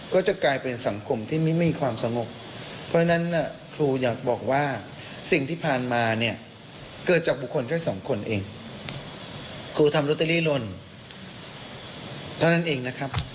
คือทำรอเตอรี่ลนเท่านั้นเองนะครับ